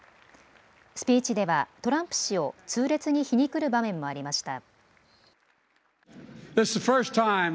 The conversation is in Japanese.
スピーチではトランプ氏を痛烈に皮肉る場面もありました。